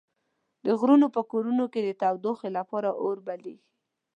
د غرونو په کورونو کې د تودوخې لپاره اور بليږي.